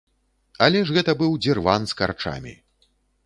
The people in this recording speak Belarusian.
Але ж гэта быў дзірван з карчамі.